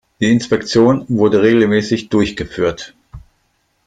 Die Inspektion wurde regelmäßig durchgeführt.